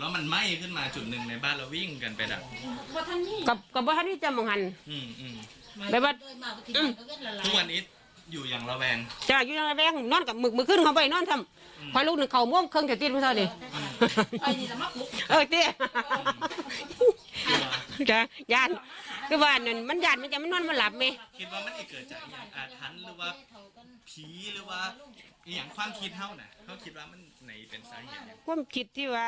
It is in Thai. มันยาลมันจับมันว่านว่าหลับไม่